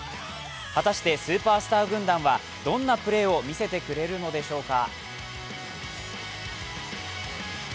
果たしてスーパースター軍団は、どんなプレーを見せてくれるのでしょうか。